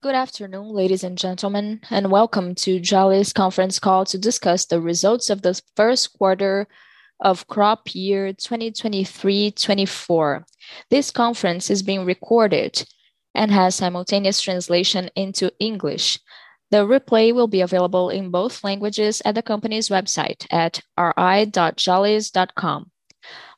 Good afternoon, ladies and gentlemen, and welcome to Jalles conference call to discuss the results of the first quarter of crop year 2023-2024. This conference is being recorded and has simultaneous translation into English. The replay will be available in both languages at the company's website at ri.jalles.com.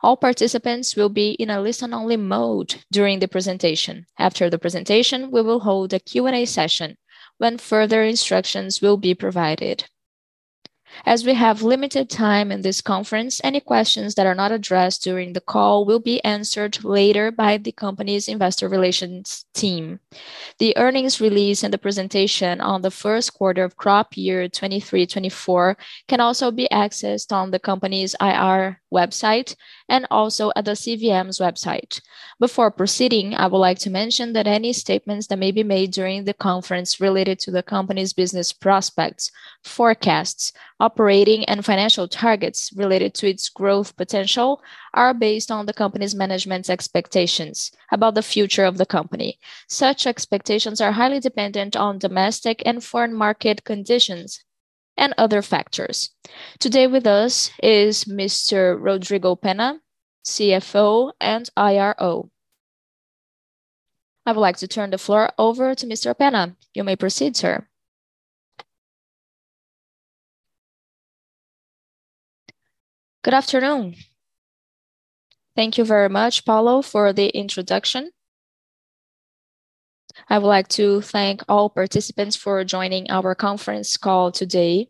All participants will be in a listen-only mode during the presentation. After the presentation, we will hold a Q&A session when further instructions will be provided. As we have limited time in this conference, any questions that are not addressed during the call will be answered later by the company's investor relations team. The earnings release and the presentation on the first quarter of crop year 2023-2024 can also be accessed on the company's IR website and also at the CVM's website. Before proceeding, I would like to mention that any statements that may be made during the conference related to the company's business prospects, forecasts, operating and financial targets related to its growth potential, are based on the company's management's expectations about the future of the company. Such expectations are highly dependent on domestic and foreign market conditions and other factors. Today with us is Mr. Rodrigo Penna, CFO and IRO. I would like to turn the floor over to Mr. Penna. You may proceed, sir. Good afternoon. Thank you very much, Paulo, for the introduction. I would like to thank all participants for joining our conference call today,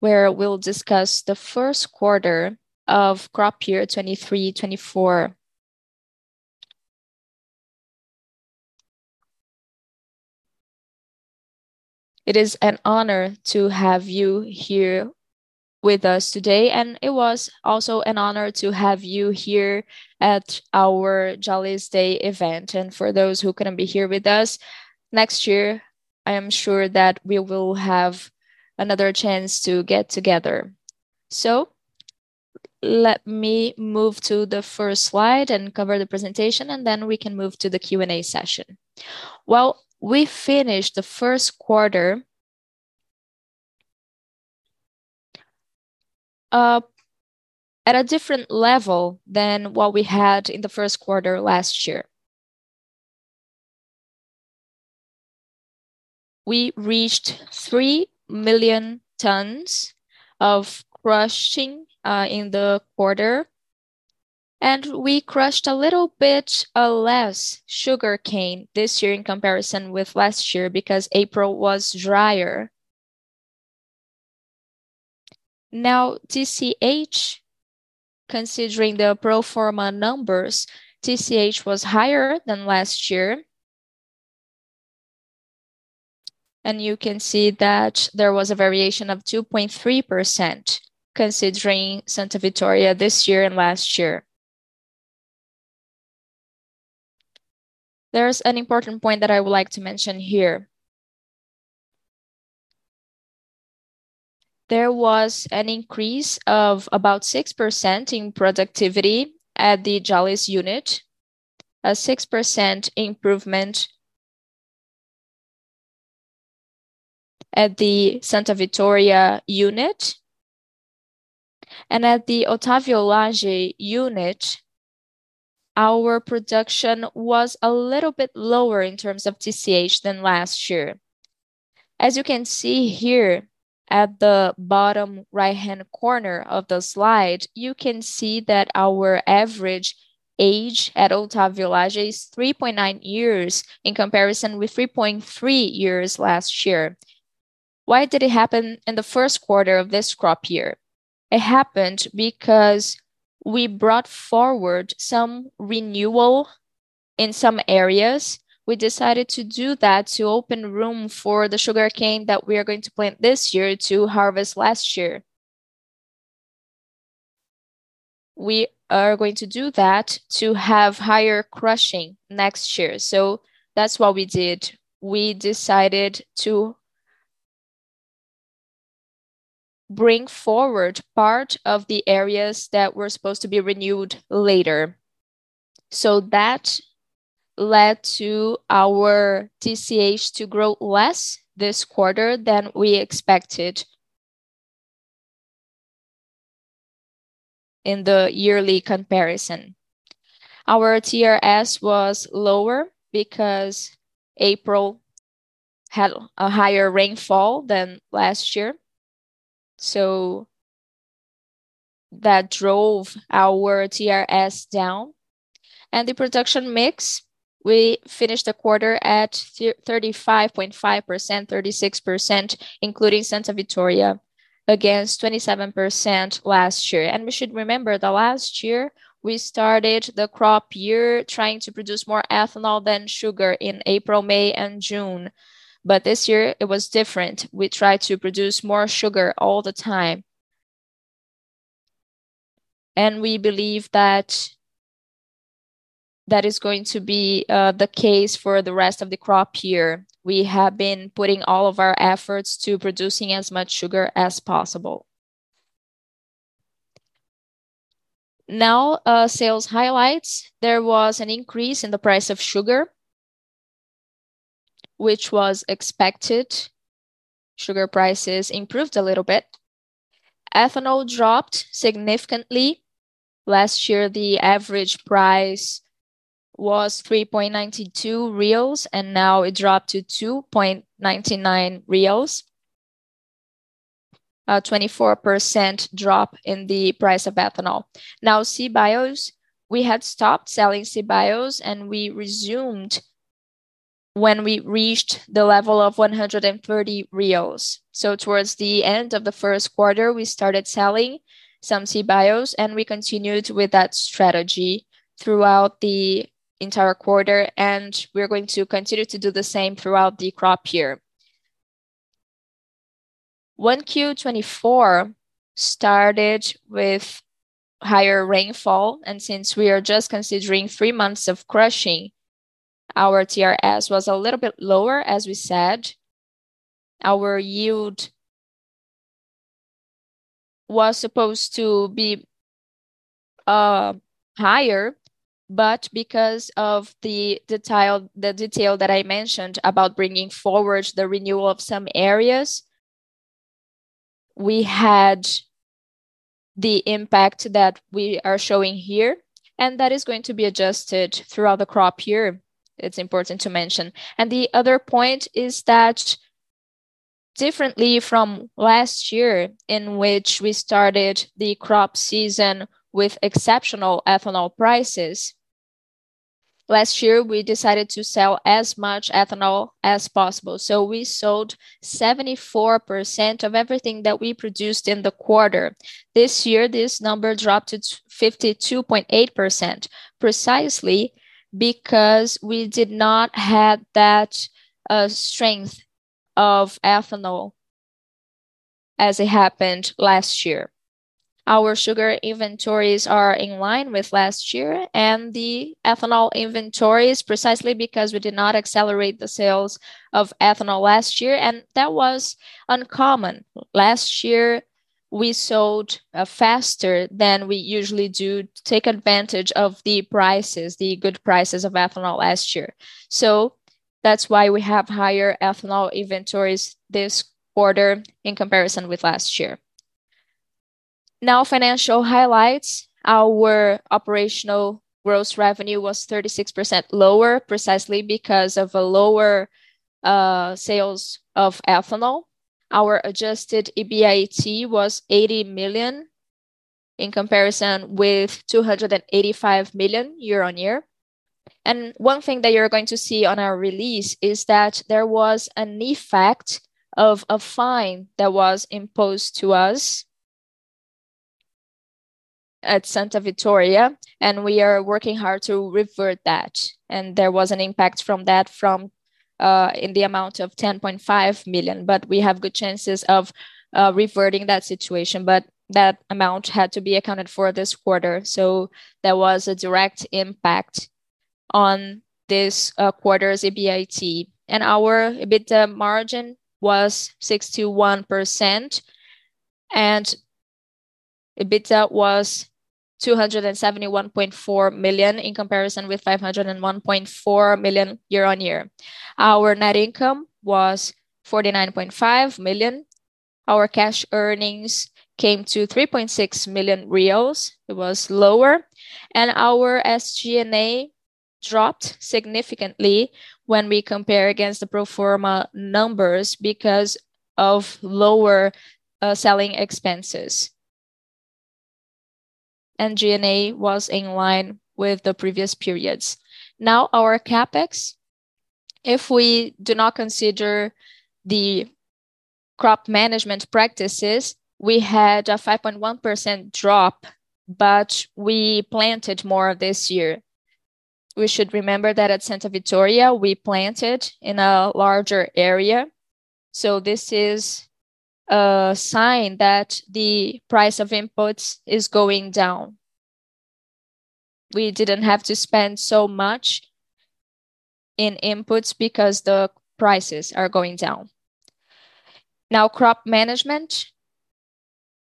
where we'll discuss the first quarter of crop year 2023-2024. It is an honor to have you here with us today, and it was also an honor to have you here at our Jalles Day event. For those who couldn't be here with us, next year, I am sure that we will have another chance to get together. Let me move to the first slide and cover the presentation, and then we can move to the Q&A session. We finished the first quarter at a different level than what we had in the first quarter last year. We reached 3 million tons of crushing in the quarter, and we crushed a little bit less sugarcane this year in comparison with last year, because April was drier. Now, TCH, considering the pro forma numbers, TCH was higher than last year. You can see that there was a variation of 2.3%, considering Santa Vitória this year and last year. There's an important point that I would like to mention here. There was an increase of about 6% in productivity at the Jalles unit, a 6% improvement at the Santa Vitória unit, and at the Otávio Lage unit, our production was a little bit lower in terms of TCH than last year. As you can see here at the bottom right-hand corner of the slide, you can see that our average age at Otávio Lage is 3.9 years, in comparison with 3.3 years last year. Why did it happen in the first quarter of this crop year? It happened because we brought forward some renewal in some areas. We decided to do that to open room for the sugarcane that we are going to plant this year to harvest last year. We are going to do that to have higher crushing next year. That's what we did. We decided to bring forward part of the areas that were supposed to be renewed later. That led to our TCH to grow less this quarter than we expected in the yearly comparison. Our TRS was lower because April had a higher rainfall than last year, so that drove our TRS down. The production mix, we finished the quarter at 35.5%, 36%, including Santa Vitória, against 27% last year. We should remember that last year, we started the crop year trying to produce more ethanol than sugar in April, May, and June. This year it was different. We tried to produce more sugar all the time, and we believe that that is going to be the case for the rest of the crop year. We have been putting all of our efforts to producing as much sugar as possible.... Sales highlights. There was an increase in the price of sugar, which was expected. Sugar prices improved a little bit. Ethanol dropped significantly. Last year, the average price was 3.92 reais, and now it dropped to 2.99 reais. 24% drop in the price of ethanol. CBIOs, we had stopped selling CBIOs, and we resumed when we reached the level of 130 reais. Towards the end of the first quarter, we started selling some CBIOs, and we continued with that strategy throughout the entire quarter, and we're going to continue to do the same throughout the crop year. 1Q24 started with higher rainfall, and since we are just considering three months of crushing, our TRS was a little bit lower, as we said. Our yield was supposed to be higher, but because of the, the detail that I mentioned about bringing forward the renewal of some areas, we had the impact that we are showing here, and that is going to be adjusted throughout the crop year, it's important to mention. The other point is that differently from last year, in which we started the crop season with exceptional ethanol prices, last year, we decided to sell as much ethanol as possible. We sold 74% of everything that we produced in the quarter. This year, this number dropped to 52.8%, precisely because we did not have that strength of ethanol as it happened last year. Our sugar inventories are in line with last year, and the ethanol inventories, precisely because we did not accelerate the sales of ethanol last year, and that was uncommon. Last year, we sold faster than we usually do to take advantage of the prices, the good prices of ethanol last year. That's why we have higher ethanol inventories this quarter in comparison with last year. Now, financial highlights. Our operational gross revenue was 36% lower precisely because of a lower sales of ethanol. Our adjusted EBIT was 80 million in comparison with 285 million year-on-year. One thing that you're going to see on our release is that there was an effect of a fine that was imposed to us at Santa Vitória, and we are working hard to revert that. There was an impact from that from in the amount of 10.5 million, but we have good chances of reverting that situation. That amount had to be accounted for this quarter, so there was a direct impact on this quarter's EBIT. Our EBITDA margin was 61%, and EBITDA was 271.4 million in comparison with 501.4 million year-on-year. Our net income was 49.5 million. Our cash earnings came to 3.6 million reais. It was lower, our SG&A dropped significantly when we compare against the pro forma numbers because of lower selling expenses. G&A was in line with the previous periods. Now, our CapEx, if we do not consider the crop management practices, we had a 5.1% drop. We planted more this year. We should remember that at Santa Vitória, we planted in a larger area, this is a sign that the price of inputs is going down. We didn't have to spend so much in inputs because the prices are going down. Now, crop management,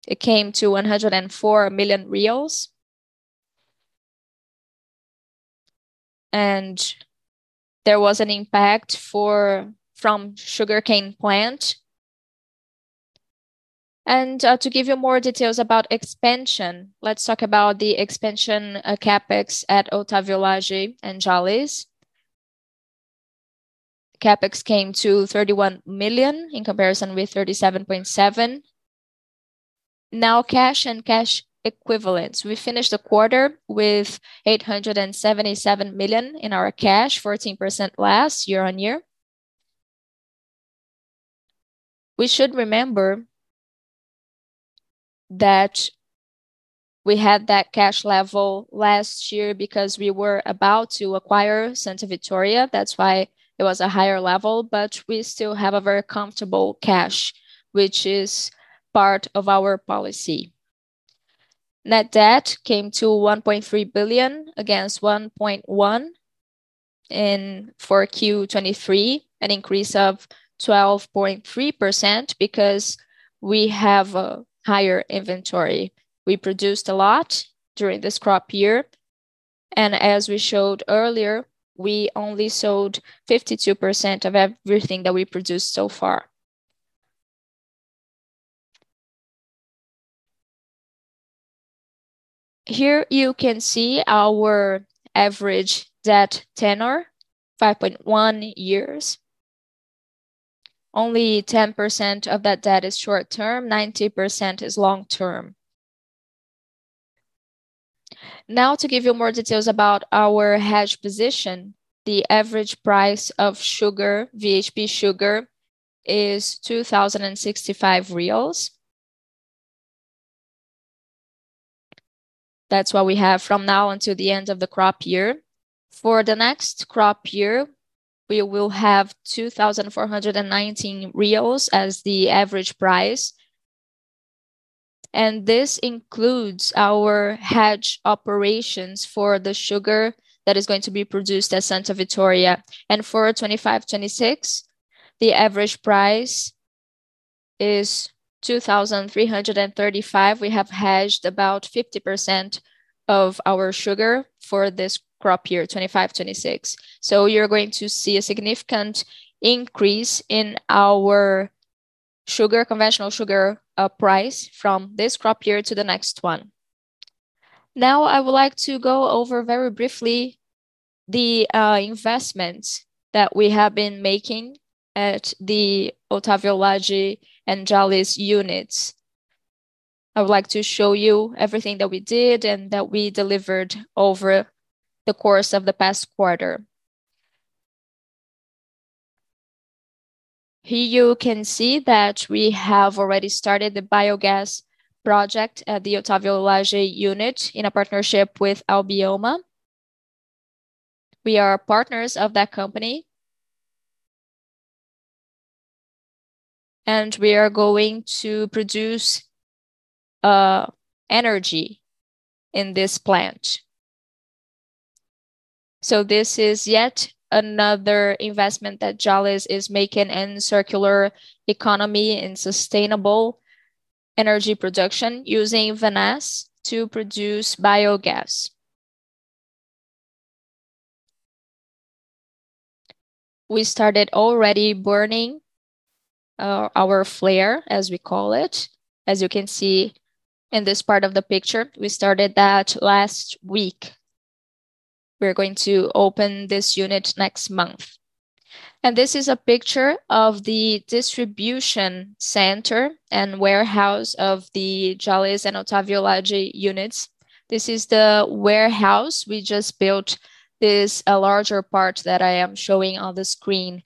it came to R$104 million. There was an impact from sugarcane plant. To give you more details about expansion, let's talk about the expansion CapEx at Otávio Lage and Jalles. CapEx came to R$31 million in comparison with R$37.7 million. Now, cash and cash equivalents. We finished the quarter with R$877 million in our cash, 14% less year-on-year. We should remember that we had that cash level last year because we were about to acquire Santa Vitória. That's why it was a higher level, but we still have a very comfortable cash, which is part of our policy. Net debt came to 1.3 billion against 1.1 billion. For Q23, an increase of 12.3% because we have a higher inventory. We produced a lot during this crop year, and as we showed earlier, we only sold 52% of everything that we produced so far. Here you can see our average debt tenor, 5.1 years. Only 10% of that debt is short term, 90% is long term. To give you more details about our hedge position, the average price of sugar, VHP sugar, is BRL 2,065. That's what we have from now until the end of the crop year. For the next crop year, we will have 2,419 reais as the average price, and this includes our hedge operations for the sugar that is going to be produced at Santa Vitória. For 2025, 2026, the average price is 2,335. We have hedged about 50% of our sugar for this crop year, 2025, 2026. You're going to see a significant increase in our sugar, conventional sugar, price from this crop year to the next one. Now, I would like to go over very briefly the investments that we have been making at the Otávio Lage and Jalles units. I would like to show you everything that we did and that we delivered over the course of the past quarter. Here you can see that we have already started the biogas project at the Otávio Lage unit in a partnership with Albioma. We are partners of that company. We are going to produce energy in this plant. This is yet another investment that Jalles is making in circular economy and sustainable energy production using vinasse to produce biogas. We started already burning our flare, as we call it. As you can see in this part of the picture, we started that last week. We're going to open this unit next month. This is a picture of the distribution center and warehouse of the Jalles and Otávio Lage units. This is the warehouse. We just built this, a larger part that I am showing on the screen.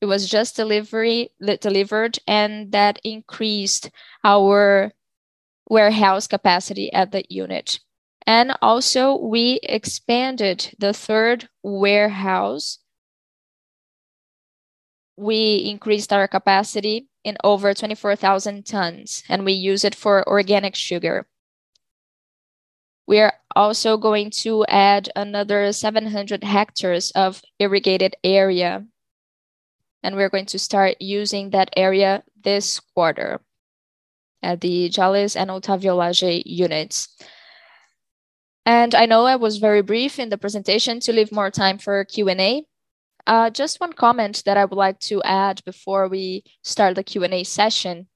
It was just delivery, delivered, and that increased our warehouse capacity at the unit. Also, we expanded the third warehouse. We increased our capacity in over 24,000 tons, and we use it for organic sugar. We are also going to add another 700 hectares of irrigated area, and we're going to start using that area this quarter at the Jalles and Otávio Lage units. I know I was very brief in the presentation to leave more time for Q&A. Just 1 comment that I would like to add before we start the Q&A session.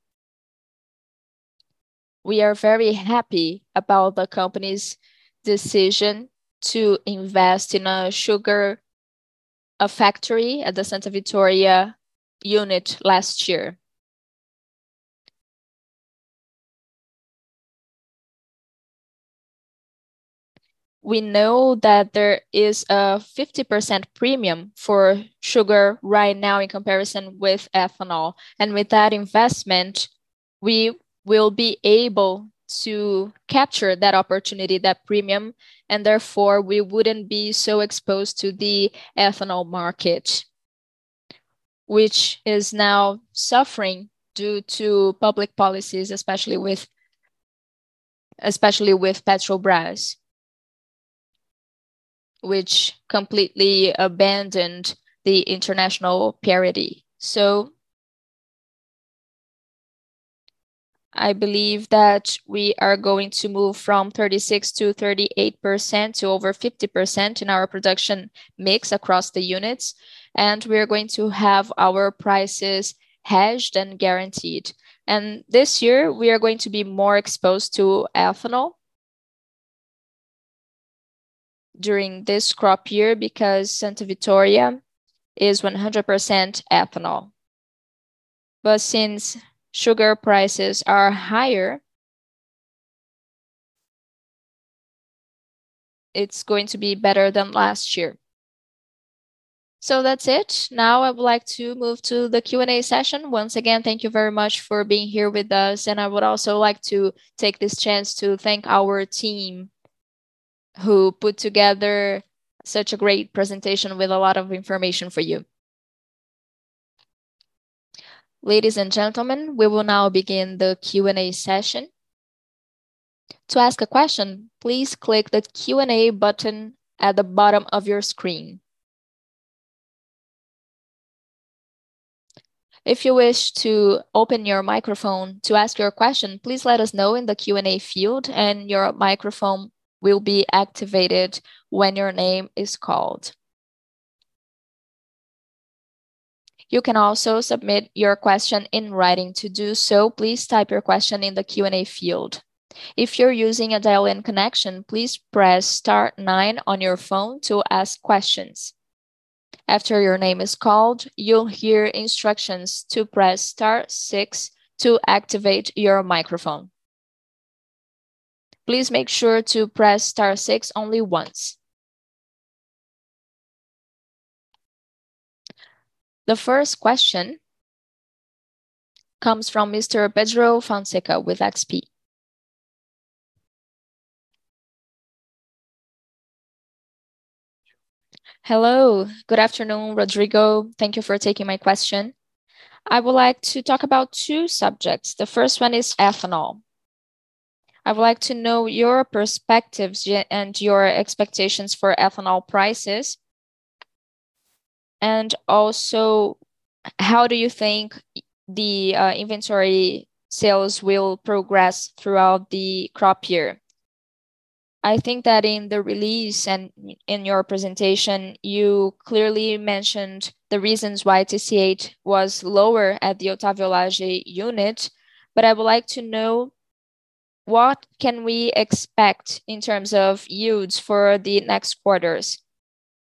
We are very happy about the company's decision to invest in a sugar, a factory at the Santa Vitória unit last year. We know that there is a 50% premium for sugar right now in comparison with ethanol, with that investment, we will be able to capture that opportunity, that premium, and therefore, we wouldn't be so exposed to the ethanol market, which is now suffering due to public policies, especially with, especially with Petrobras, which completely abandoned the international parity. I believe that we are going to move from 36%-38% to over 50% in our production mix across the units, we are going to have our prices hedged and guaranteed. This year, we are going to be more exposed to ethanol during this crop year because Santa Vitória is 100% ethanol. Since sugar prices are higher, it's going to be better than last year. That's it. Now, I would like to move to the Q&A session. Once again, thank you very much for being here with us, and I would also like to take this chance to thank our team, who put together such a great presentation with a lot of information for you. Ladies and gentlemen, we will now begin the Q&A session. To ask a question, please click the Q&A button at the bottom of your screen. If you wish to open your microphone to ask your question, please let us know in the Q&A field, and your microphone will be activated when your name is called. You can also submit your question in writing. To do so, please type your question in the Q&A field. If you're using a dial-in connection, please press star 9 on your phone to ask questions. After your name is called, you'll hear instructions to press star 6 to activate your microphone. Please make sure to press star six only once. The first question comes from Mr. Pedro Fonseca with XP. Hello, good afternoon, Rodrigo. Thank you for taking my question. I would like to talk about two subjects. The first one is ethanol. I would like to know your perspectives and your expectations for ethanol prices, also, how do you think the inventory sales will progress throughout the crop year? I think that in the release and in your presentation, you clearly mentioned the reasons why TCH was lower at the Otávio Lage unit, but I would like to know, what can we expect in terms of yields for the next quarters?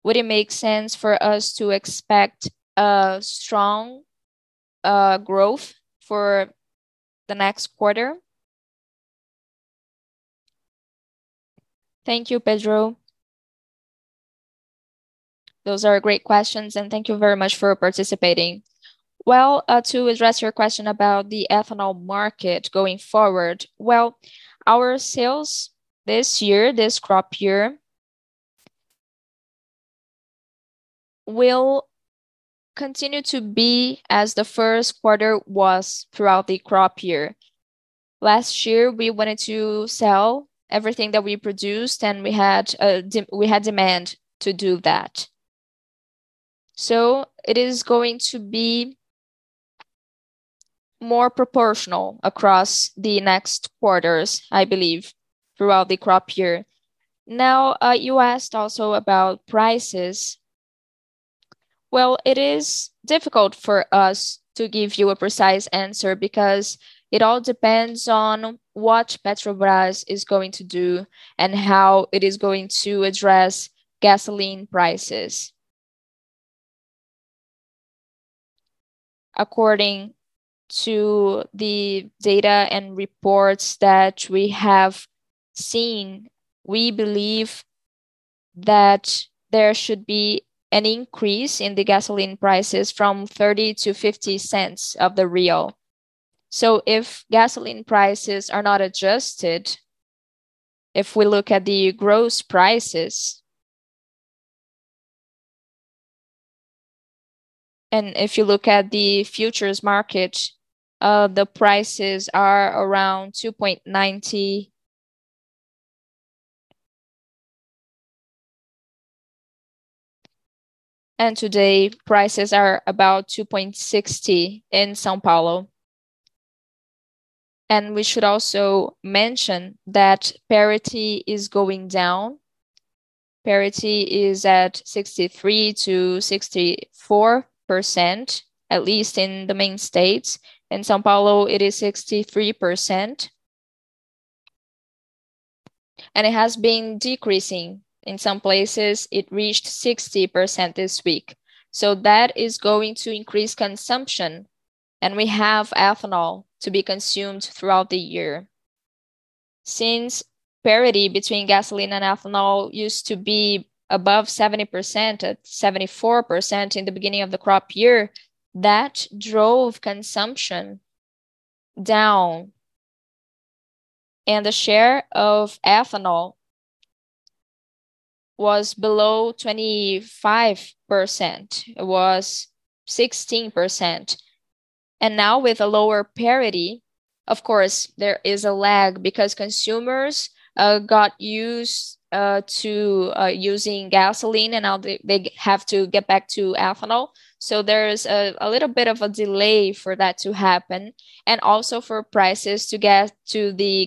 Would it make sense for us to expect a strong growth for the next quarter? Thank you, Pedro. Those are great questions, thank you very much for participating. Well, to address your question about the ethanol market going forward, well, our sales this year, this crop year, will continue to be as the first quarter was throughout the crop year. Last year, we wanted to sell everything that we produced, and we had demand to do that. It is going to be more proportional across the next quarters, I believe, throughout the crop year. Now, you asked also about prices. Well, it is difficult for us to give you a precise answer because it all depends on what Petrobras is going to do and how it is going to address gasoline prices. According to the data and reports that we have seen, we believe that there should be an increase in the gasoline prices from 0.30 to 0.50. If gasoline prices are not adjusted, if we look at the gross prices, and if you look at the futures market, the prices are around 2.90. Today, prices are about 2.60 in São Paulo. We should also mention that parity is going down. Parity is at 63%-64%, at least in the main states. In São Paulo, it is 63%, and it has been decreasing. In some places, it reached 60% this week. That is going to increase consumption, and we have ethanol to be consumed throughout the year. Since parity between gasoline and ethanol used to be above 70%, at 74% in the beginning of the crop year, that drove consumption down, and the share of ethanol was below 25%. It was 16%. Now, with a lower parity, of course, there is a lag because consumers got used to using gasoline, and now they have to get back to ethanol. There's a little bit of a delay for that to happen and also for prices to get to the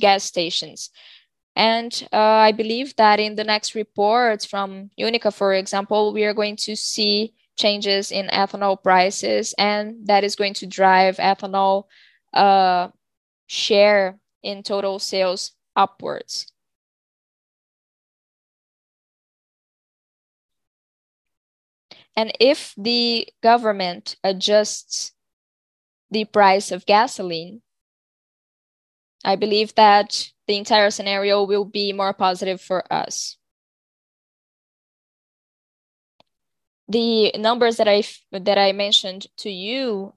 gas stations. I believe that in the next reports from UNICA, for example, we are going to see changes in ethanol prices, and that is going to drive ethanol share in total sales upwards. If the government adjusts the price of gasoline, I believe that the entire scenario will be more positive for us. The numbers that I've that I mentioned to you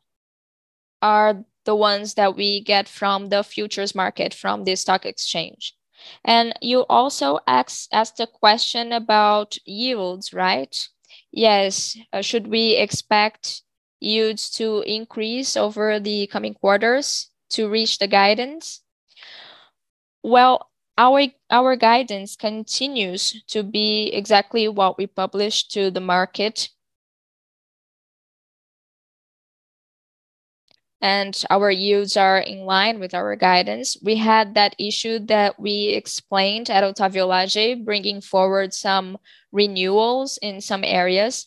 are the ones that we get from the futures market, from the stock exchange. You also asked a question about yields, right? Yes, should we expect yields to increase over the coming quarters to reach the guidance? Well, our, our guidance continues to be exactly what we published to the market. And our yields are in line with our guidance. We had that issue that we explained at Otávio Lage, bringing forward some renewals in some areas.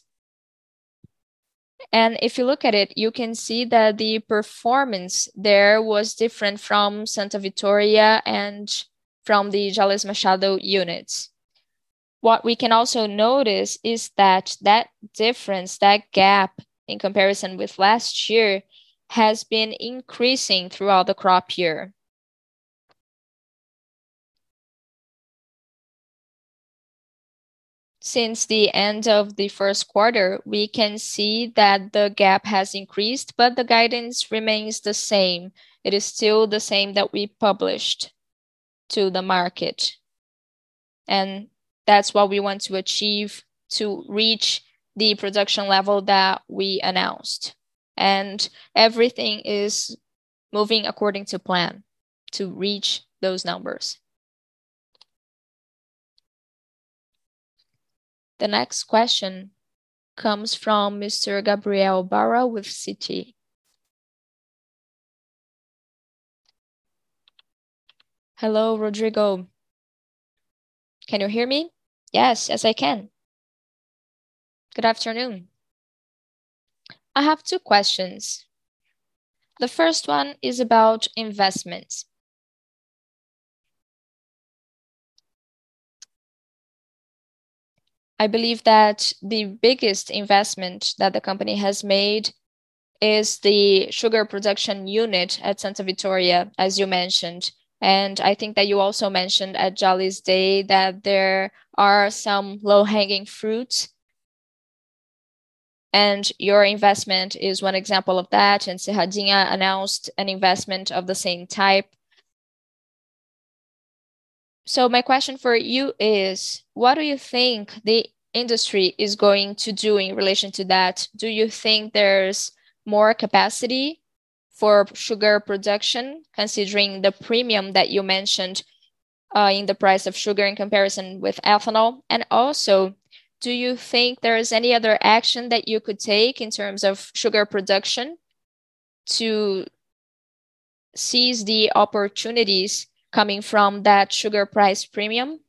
And if you look at it, you can see that the performance there was different from Santa Vitória and from the Jalles Machado units. What we can also notice is that, that difference, that gap in comparison with last year, has been increasing throughout the crop year. Since the end of the first quarter, we can see that the gap has increased, but the guidance remains the same. It is still the same that we published to the market, and that's what we want to achieve to reach the production level that we announced. Everything is moving according to plan to reach those numbers. The next question comes from Mr. Gabriel Barra with Citi. Hello, Rodrigo. Can you hear me? Yes. Yes, I can. Good afternoon. I have two questions. The first one is about investments. I believe that the biggest investment that the company has made is the sugar production unit at Santa Vitória, as you mentioned, and I think that you also mentioned at Jalles Day that there are some low-hanging fruits, and your investment is one example of that, and Serradinha announced an investment of the same type. My question for you is: What do you think the industry is going to do in relation to that? Do you think there's more capacity for sugar production, considering the premium that you mentioned, in the price of sugar in comparison with ethanol? Also, do you think there is any other action that you could take in terms of sugar production to seize the opportunities coming from that sugar price premium?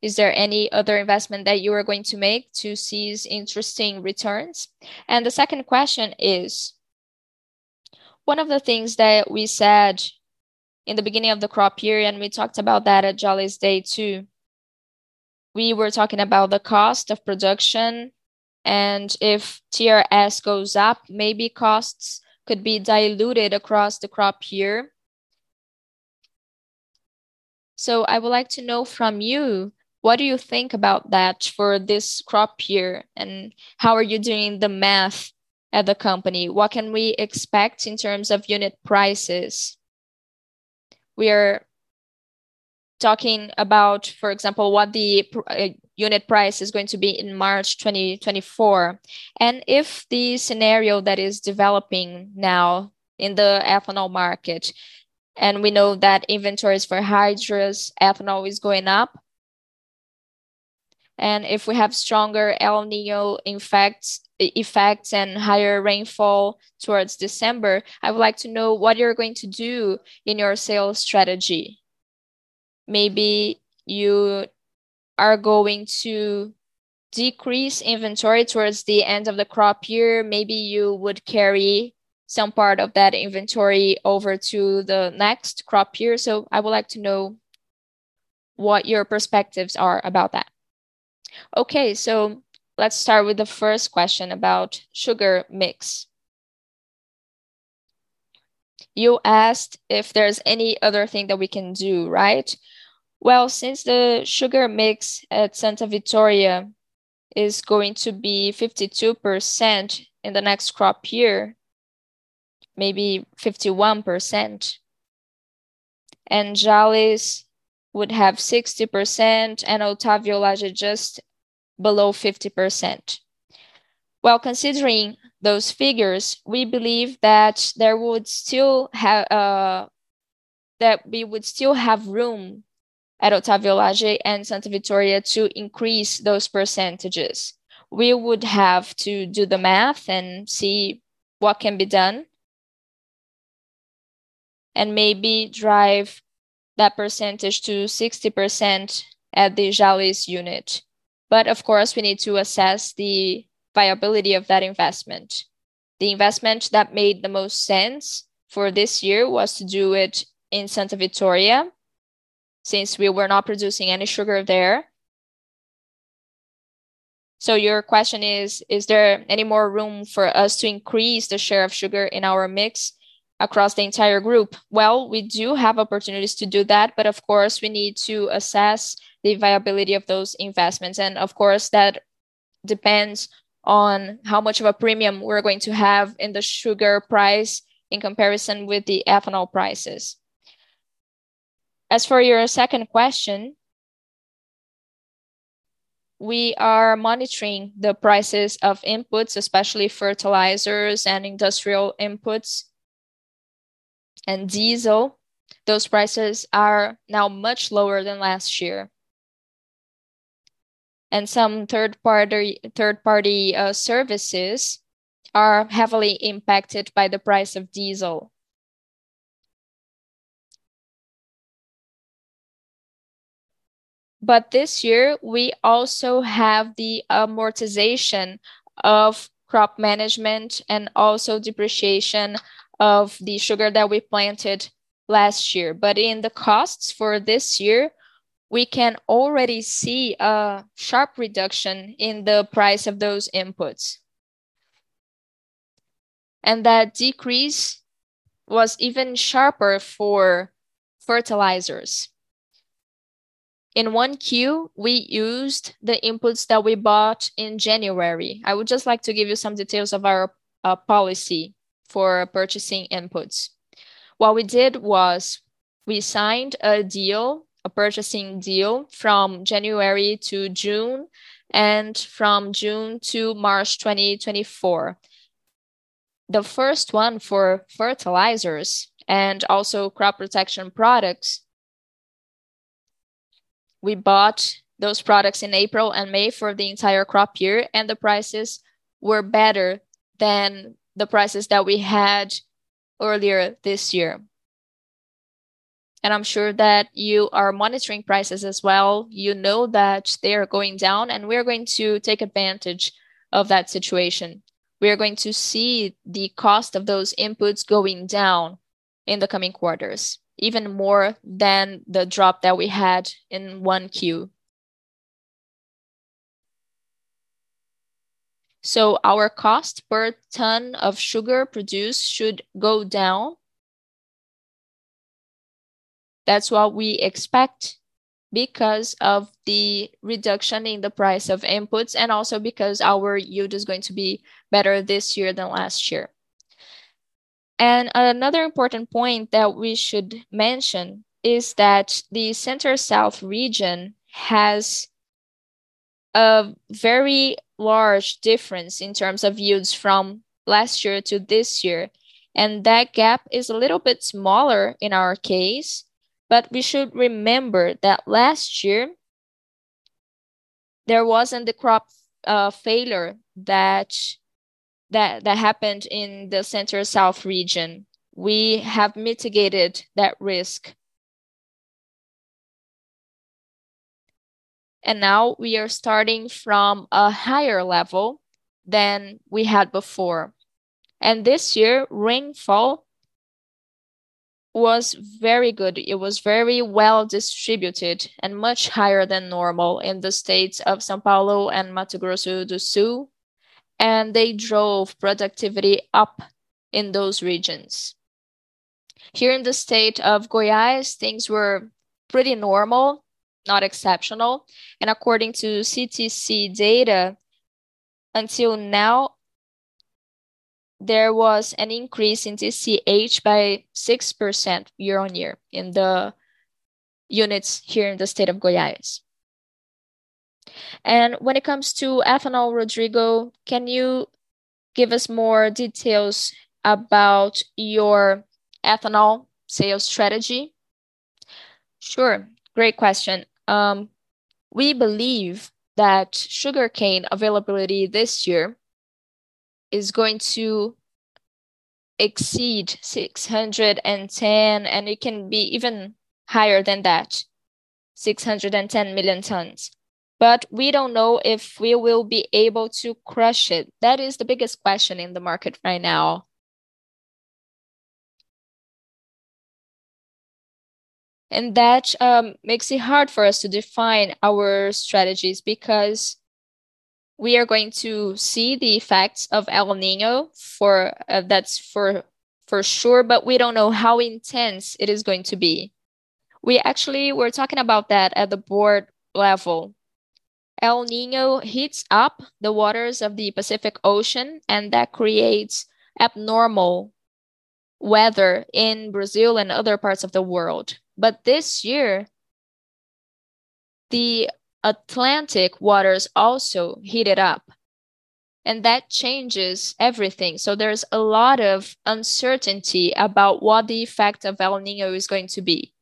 Is there any other investment that you are going to make to seize interesting returns? The second question is... One of the things that we said in the beginning of the crop year, and we talked about that at Jalles Day, too, we were talking about the cost of production, and if TRS goes up, maybe costs could be diluted across the crop year. So I would like to know from you, what do you think about that for this crop year, and how are you doing the math at the company? What can we expect in terms of unit prices? We are talking about, for example, what the unit price is going to be in March 2024. If the scenario that is developing now in the ethanol market, and we know that inventories for hydrous ethanol is going up, and if we have stronger El Niño effects and higher rainfall towards December, I would like to know what you're going to do in your sales strategy. Maybe you are going to decrease inventory towards the end of the crop year. Maybe you would carry some part of that inventory over to the next crop year. I would like to know what your perspectives are about that. Okay, let's start with the first question about sugar mix. You asked if there's any other thing that we can do, right? Well, since the sugar mix at Santa Vitória is going to be 52% in the next crop year, maybe 51%, and Jalles would have 60%, and Otávio Lage just below 50%. Well, considering those figures, we believe that there would still have That we would still have room at Otávio Lage and Santa Vitória to increase those percentages. We would have to do the math and see what can be done, and maybe drive that percentage to 60% at the Jalles unit. Of course, we need to assess the viability of that investment. The investment that made the most sense for this year was to do it in Santa Vitória, since we were not producing any sugar there. Your question is: Is there any more room for us to increase the share of sugar in our mix across the entire group? We do have opportunities to do that, but of course, we need to assess the viability of those investments. Of course, that depends on how much of a premium we're going to have in the sugar price in comparison with the ethanol prices. As for your second question, we are monitoring the prices of inputs, especially fertilizers and industrial inputs, and diesel. Those prices are now much lower than last year. Some third party services are heavily impacted by the price of diesel. This year, we also have the amortization of crop management and also depreciation of the sugar that we planted last year. In the costs for this year, we can already see a sharp reduction in the price of those inputs. That decrease was even sharper for fertilizers. In 1Q, we used the inputs that we bought in January. I would just like to give you some details of our policy for purchasing inputs. What we did was we signed a deal, a purchasing deal from January to June, and from June to March 2024. The first one for fertilizers and also crop protection products. We bought those products in April and May for the entire crop year, and the prices were better than the prices that we had earlier this year. I'm sure that you are monitoring prices as well. You know that they are going down, and we are going to take advantage of that situation. We are going to see the cost of those inputs going down in the coming quarters, even more than the drop that we had in 1Q. Our cost per ton of sugar produced should go down. That's what we expect, because of the reduction in the price of inputs, and also because our yield is going to be better this year than last year. Another important point that we should mention is that the Center-South Region has a very large difference in terms of yields from last year to this year, and that gap is a little bit smaller in our case, but we should remember that last year, there wasn't the crop failure that, that, that happened in the Center-South Region. We have mitigated that risk. Now we are starting from a higher level than we had before. This year, rainfall was very good. It was very well distributed and much higher than normal in the states of São Paulo and Mato Grosso do Sul. They drove productivity up in those regions. Here in the state of Goiás, things were pretty normal, not exceptional. According to CTC data, until now, there was an increase in TCH by 6% year-on-year in the units here in the state of Goiás. When it comes to ethanol, Rodrigo, can you give us more details about your ethanol sales strategy? Sure. Great question. We believe that sugarcane availability this year is going to exceed 610, it can be even higher than that, 610 million tons. We don't know if we will be able to crush it. That is the biggest question in the market right now. That makes it hard for us to define our strategies, because we are going to see the effects of El Niño for, for sure, but we don't know how intense it is going to be. We actually were talking about that at the board level. El Niño heats up the waters of the Pacific Ocean, that creates abnormal weather in Brazil and other parts of the world. This year, the Atlantic waters also heated up, and that changes everything. There's a lot of uncertainty about what the effect of El Niño is going to be.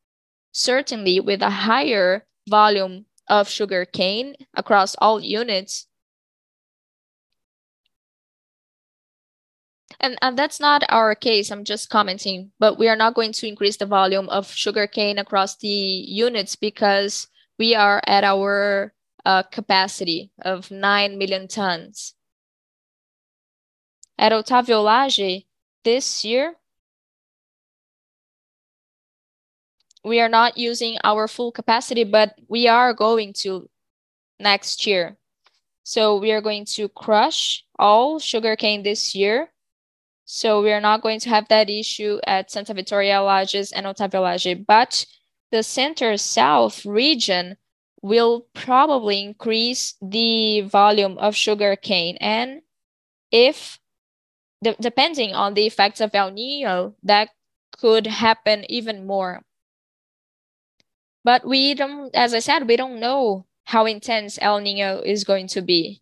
Certainly, with a higher volume of sugarcane across all units. That's not our case, I'm just commenting, we are not going to increase the volume of sugarcane across the units because we are at our capacity of 9 million tons. At Otávio Lage, this year, we are not using our full capacity, but we are going to next year. We are not going to have that issue at Santa Vitória Lage's and Otávio Lage. The Center-South Region will probably increase the volume of sugarcane, and if depending on the effects of El Niño, that could happen even more. We don't, as I said, we don't know how intense El Niño is going to be,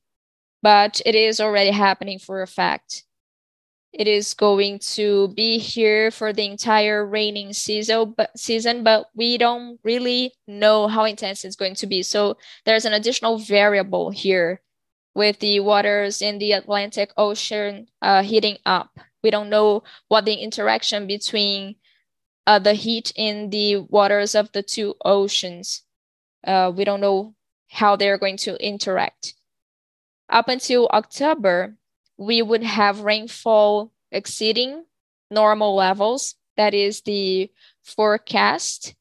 but it is already happening for a fact. It is going to be here for the entire raining season, but we don't really know how intense it's going to be. There's an additional variable here with the waters in the Atlantic Ocean heating up. We don't know what the interaction between, the heat in the waters of the two oceans, we don't know how they're going to interact. Up until October, we would have rainfall exceeding normal levels. That is the forecast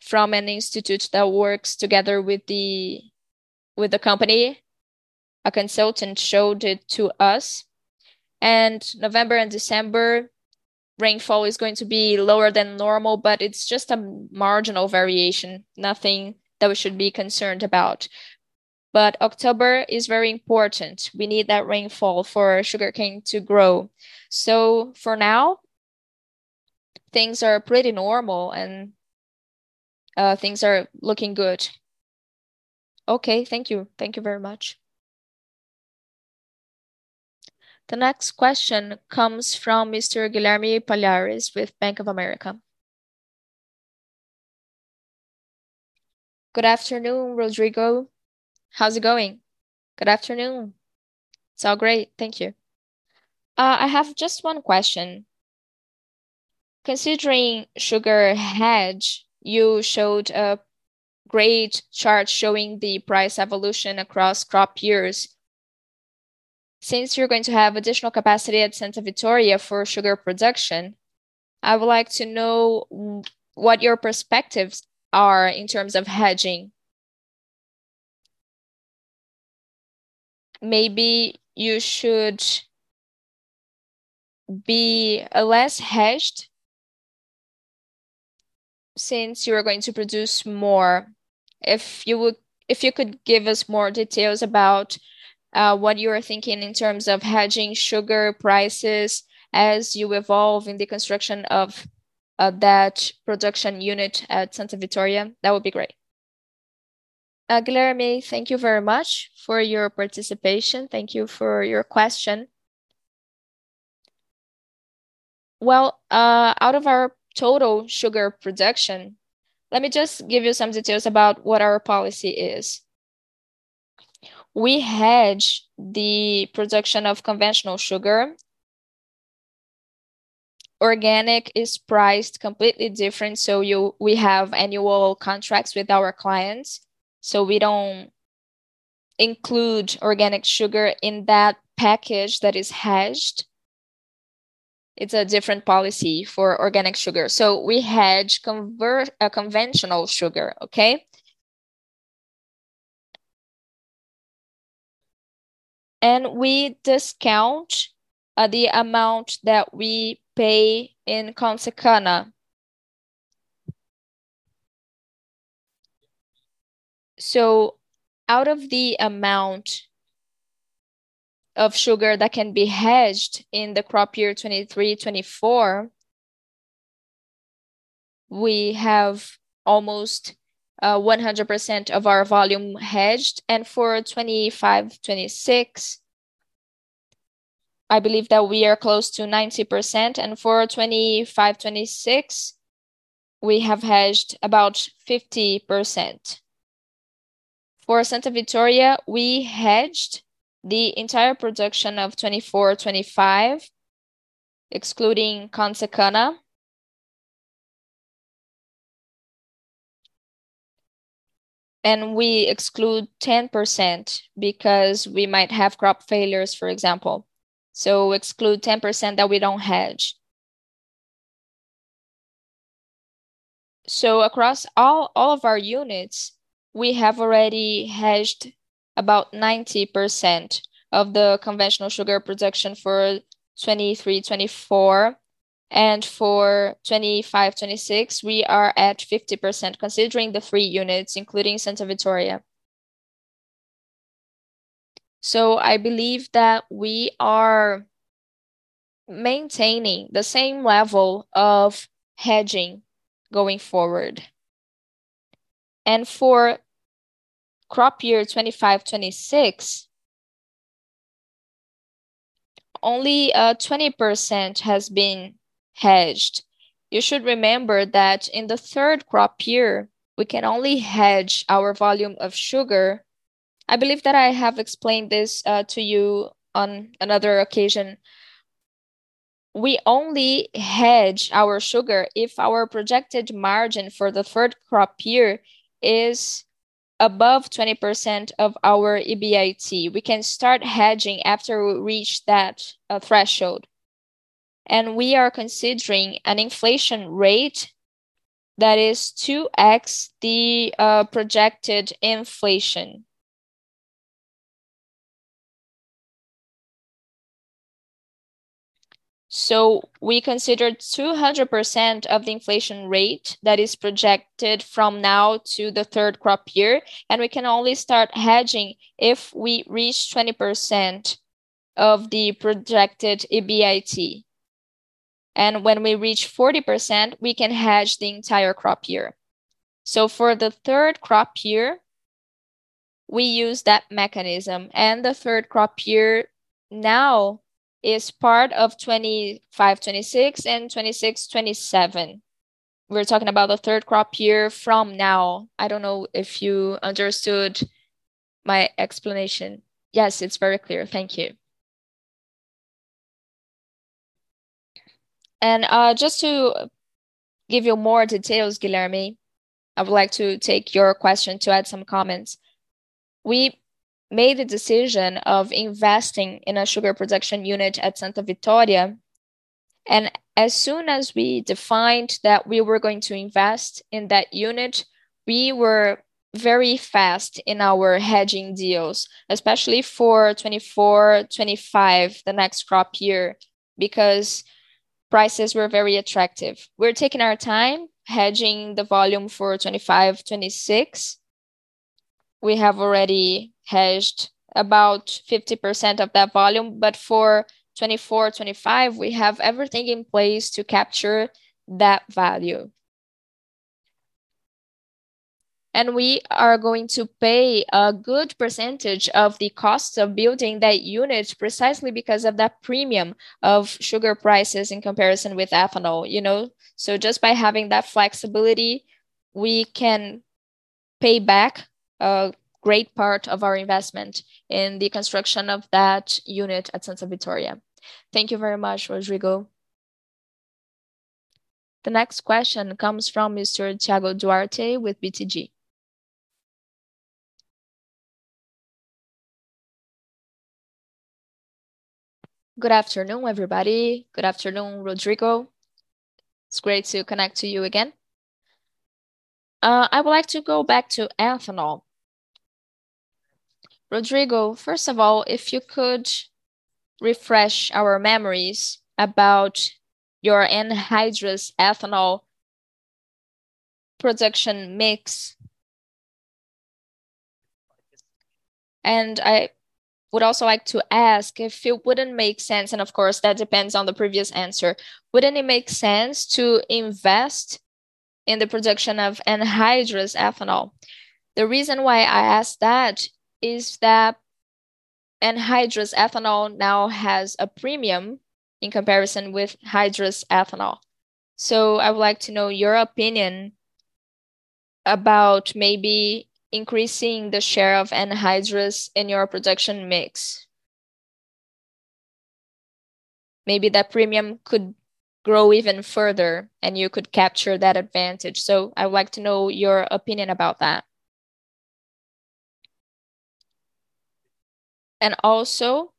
from an institute that works together with the, with the company. A consultant showed it to us. November and December, rainfall is going to be lower than normal, but it's just a marginal variation, nothing that we should be concerned about. October is very important. We need that rainfall for sugarcane to grow. For now, things are pretty normal and, things are looking good. Okay. Thank you. Thank you very much. The next question comes from Mr. Guilherme Palhares with Bank of America. Good afternoon, Rodrigo. How's it going? Good afternoon. It's all great, thank you. I have just one question. Considering sugar hedge, you showed a great chart showing the price evolution across crop years. Since you're going to have additional capacity at Santa Vitória for sugar production, I would like to know what your perspectives are in terms of hedging. Maybe you should be less hedged, since you are going to produce more. If you could give us more details about what you are thinking in terms of hedging sugar prices as you evolve in the construction of that production unit at Santa Vitória, that would be great. Guilherme, thank you very much for your participation. Thank you for your question. Well, out of our total sugar production... Let me just give you some details about what our policy is. We hedge the production of conventional sugar. Organic is priced completely different, we have annual contracts with our clients, so we don't include organic sugar in that package that is hedged. It's a different policy for organic sugar. We hedge convert- conventional sugar, okay? We discount the amount that we pay in Consecana. Out of the amount of sugar that can be hedged in the crop year 2023, 2024, we have almost 100% of our volume hedged, and for 2025, 2026, I believe that we are close to 90%, and for 2025, 2026, we have hedged about 50%. For Santa Vitória, we hedged the entire production of 2024, 2025, excluding Consecana. We exclude 10% because we might have crop failures, for example. Exclude 10% that we don't hedge. Across all, all of our units, we have already hedged about 90% of the conventional sugar production for 2023-2024, and for 2025-2026, we are at 50%, considering the three units, including Santa Vitória. I believe that we are maintaining the same level of hedging going forward. For crop year 2025-2026, only 20% has been hedged. You should remember that in the third crop year, we can only hedge our volume of sugar. I believe that I have explained this to you on another occasion. We only hedge our sugar if our projected margin for the third crop year is above 20% of our EBIT. We can start hedging after we reach that threshold, and we are considering an inflation rate that is 2x the projected inflation. We considered 200% of the inflation rate that is projected from now to the third crop year, and we can only start hedging if we reach 20% of the projected EBIT. When we reach 40%, we can hedge the entire crop year. For the third crop year, we use that mechanism, and the third crop year now is part of 2025, 2026, and 2026, 2027. We're talking about the third crop year from now. I don't know if you understood my explanation. Yes, it's very clear. Thank you. Just to give you more details, Guilherme, I would like to take your question to add some comments. We made a decision of investing in a sugar production unit at Santa Vitória, and as soon as we defined that we were going to invest in that unit, we were very fast in our hedging deals, especially for 2024, 2025, the next crop year, because prices were very attractive. We're taking our time hedging the volume for 2025, 2026. We have already hedged about 50% of that volume, but for 2024, 2025, we have everything in place to capture that value. We are going to pay a good percentage of the costs of building that unit precisely because of that premium of sugar prices in comparison with ethanol, you know? Just by having that flexibility, we can pay back a great part of our investment in the construction of that unit at Santa Vitória. Thank you very much, Rodrigo. The next question comes from Mr. Thiago Duarte with BTG. Good afternoon, everybody. Good afternoon, Rodrigo. It's great to connect to you again. I would like to go back to ethanol. Rodrigo, first of all, if you could refresh our memories about your anhydrous ethanol production mix. I would also like to ask if it wouldn't make sense, and, of course, that depends on the previous answer. Wouldn't it make sense to invest in the production of anhydrous ethanol? The reason why I ask that is that anhydrous ethanol now has a premium in comparison with hydrous ethanol. I would like to know your opinion about maybe increasing the share of anhydrous in your production mix. Maybe that premium could grow even further, and you could capture that advantage. I would like to know your opinion about that. Also,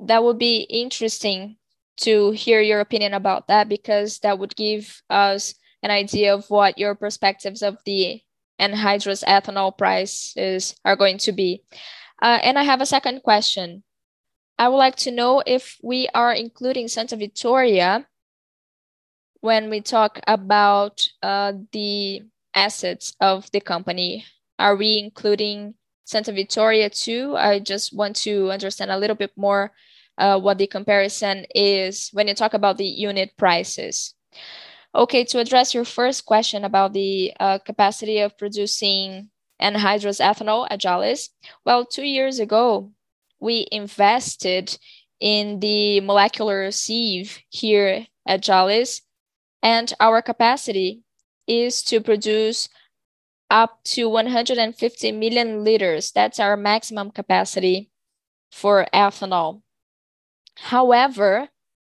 that would be interesting to hear your opinion about that, because that would give us an idea of what your perspectives of the anhydrous ethanol prices are going to be. I have a second question. I would like to know if we are including Santa Vitória when we talk about the assets of the company. Are we including Santa Vitória, too? I just want to understand a little bit more what the comparison is when you talk about the unit prices. Okay, to address your first question about the capacity of producing anhydrous ethanol at Jalles. Well, two years ago, we invested in the molecular sieve here at Jalles, and our capacity is to produce up to 150 million liters. That's our maximum capacity for ethanol.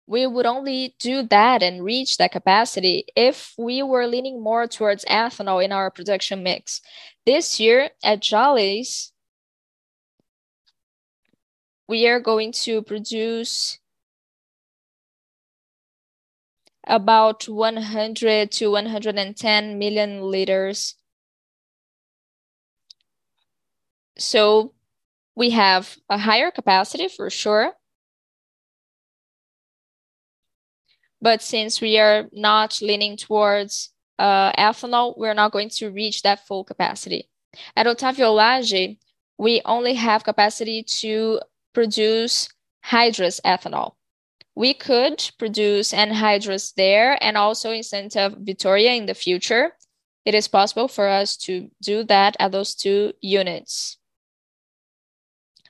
We would only do that and reach that capacity if we were leaning more towards ethanol in our production mix. This year, at Jalles, we are going to produce about 100 million-110 million liters. We have a higher capacity, for sure, but since we are not leaning towards ethanol, we're not going to reach that full capacity. At Otávio Lage, we only have capacity to produce hydrous ethanol. We could produce anhydrous there and also in Santa Vitória in the future. It is possible for us to do that at those two units.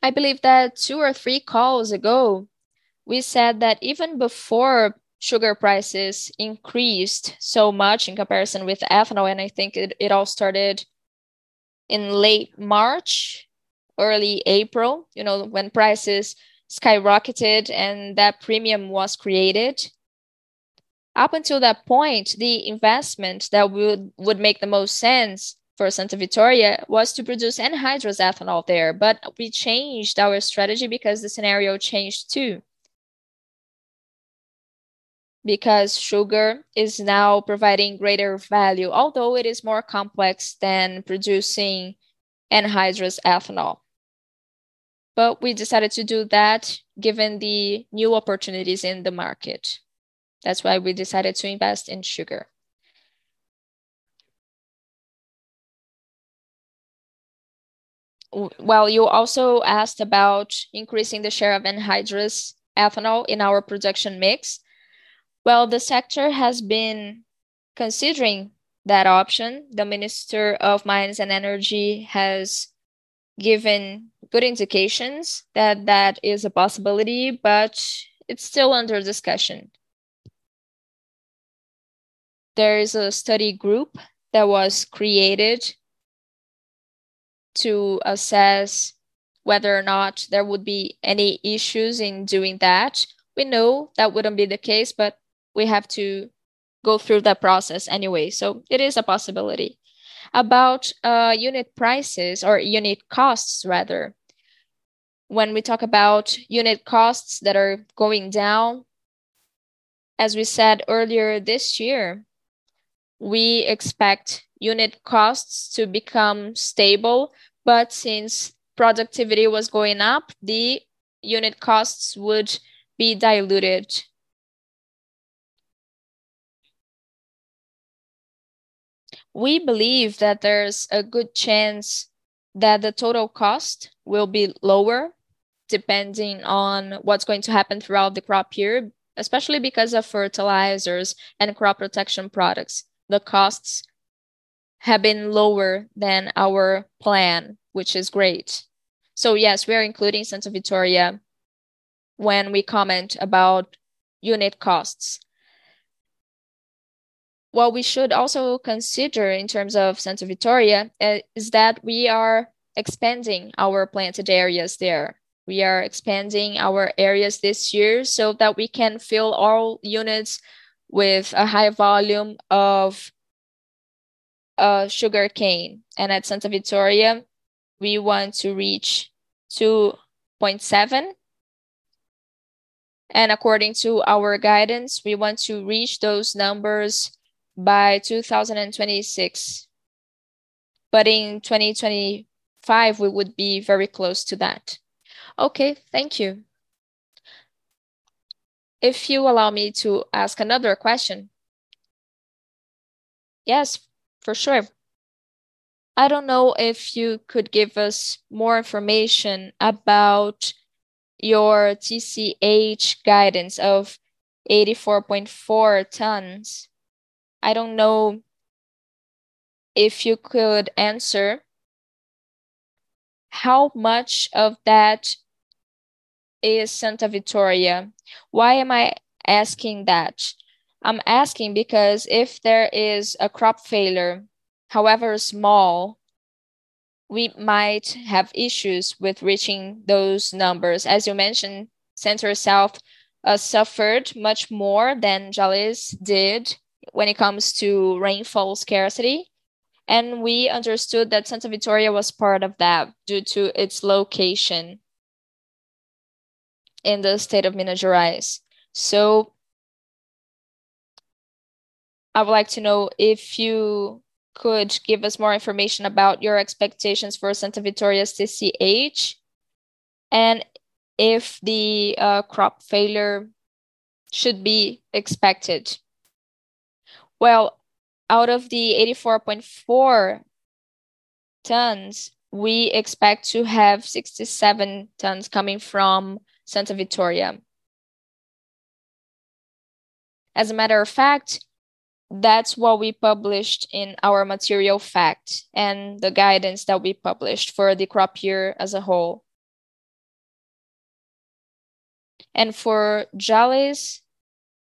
I believe that 2 or 3 calls ago, we said that even before sugar prices increased so much in comparison with ethanol, and I think it, it all started in late March, early April, you know, when prices skyrocketed and that premium was created. Up until that point, the investment that would make the most sense for Santa Vitória was to produce anhydrous ethanol there. We changed our strategy because the scenario changed, too. Because sugar is now providing greater value, although it is more complex than producing anhydrous ethanol. We decided to do that given the new opportunities in the market. That's why we decided to invest in sugar. Well, you also asked about increasing the share of anhydrous ethanol in our production mix. Well, the sector has been considering that option. The Minister of Mines and Energy has given good indications that that is a possibility, but it's still under discussion. There is a study group that was created to assess whether or not there would be any issues in doing that. We know that wouldn't be the case, we have to go through that process anyway, it is a possibility. About unit prices or unit costs, rather, when we talk about unit costs that are going down, as we said earlier, this year, we expect unit costs to become stable, since productivity was going up, the unit costs would be diluted. We believe that there's a good chance that the total cost will be lower, depending on what's going to happen throughout the crop year, especially because of fertilizers and crop protection products. The costs have been lower than our plan, which is great. Yes, we are including Santa Vitória when we comment about unit costs. What we should also consider in terms of Santa Vitória is that we are expanding our planted areas there. We are expanding our areas this year so that we can fill all units with a high volume of sugarcane. At Santa Vitória, we want to reach 2.7, and according to our guidance, we want to reach those numbers by 2026. In 2025, we would be very close to that. Okay, thank you. If you allow me to ask another question? Yes, for sure. I don't know if you could give us more information about your TCH guidance of 84.4 tons. I don't know if you could answer, how much of that is Santa Vitória? Why am I asking that? I'm asking because if there is a crop failure, however small, we might have issues with reaching those numbers. As you mentioned, center south suffered much more than Jalles did when it comes to rainfall scarcity. We understood that Santa Vitória was part of that due to its location in the state of Minas Gerais. I would like to know if you could give us more information about your expectations for Santa Vitória TCH, and if the crop failure should be expected. Well, out of the 84.4 tons, we expect to have 67 tons coming from Santa Vitória. As a matter of fact, that's what we published in our material fact and the guidance that we published for the crop year as a whole. For Jalles,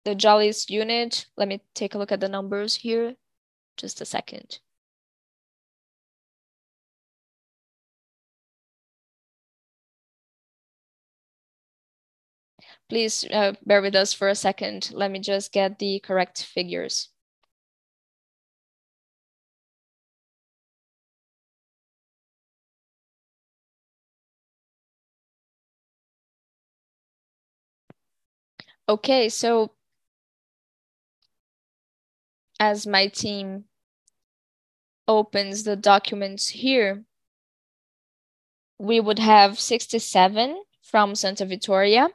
the Jalles unit... Let me take a look at the numbers here. Just a second. Please bear with us for a second. Let me just get the correct figures. As my team opens the documents here, we would have 67 from Santa Vitória,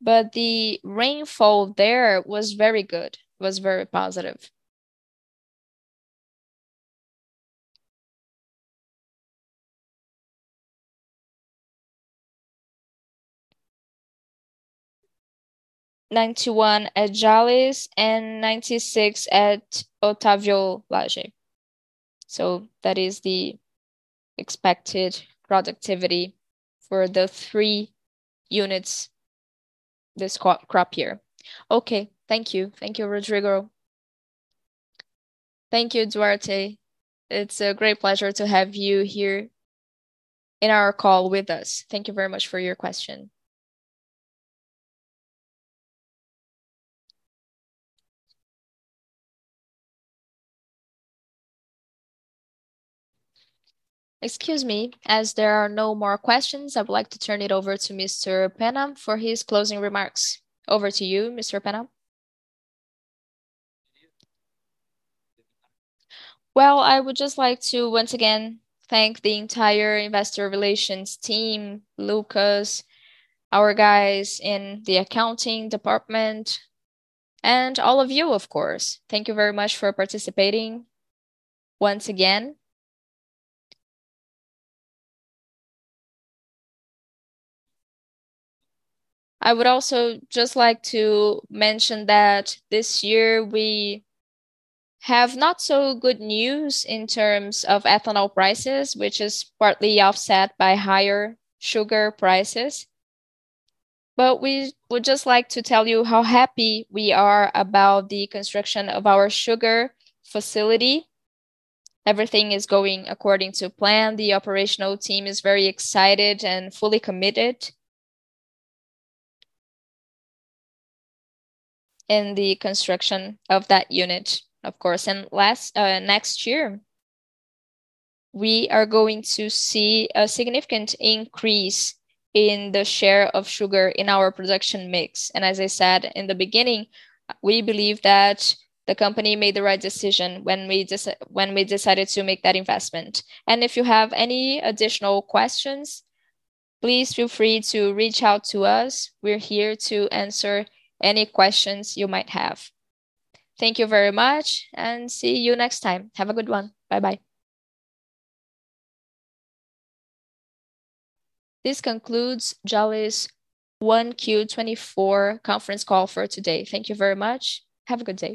but the rainfall there was very good, was very positive. 91 at Jales and 96 at Otávio Lage. That is the expected productivity for the three units this crop year. Thank you. Thank you, Rodrigo. Thank you, Duarte. It's a great pleasure to have you here in our call with us. Thank you very much for your question. Excuse me. As there are no more questions, I would like to turn it over to Mr. Penna for his closing remarks. Over to you, Mr. Penna. I would just like to once again thank the entire investor relations team, Lucas, our guys in the accounting department, and all of you, of course. Thank you very much for participating once again. I would also just like to mention that this year we have not so good news in terms of ethanol prices, which is partly offset by higher sugar prices. We would just like to tell you how happy we are about the construction of our sugar facility. Everything is going according to plan. The operational team is very excited and fully committed in the construction of that unit, of course. Last, next year, we are going to see a significant increase in the share of sugar in our production mix. As I said in the beginning, we believe that the company made the right decision when we decided to make that investment. If you have any additional questions, please feel free to reach out to us. We're here to answer any questions you might have. Thank you very much. See you next time. Have a good one. Bye-bye. This concludes Jalles' 1Q24 conference call for today. Thank you very much. Have a good day.